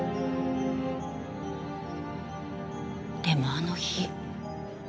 でもあの日。